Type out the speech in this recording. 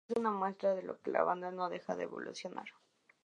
Es una muestra de que la banda no deja de evolucionar.